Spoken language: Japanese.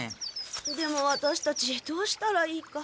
でもワタシたちどうしたらいいか。